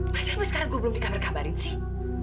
masa emang sekarang gue belum di kamar kabarin sih